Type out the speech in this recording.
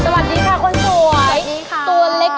สวัสดีค่ะคนสวยสวัสดีค่ะ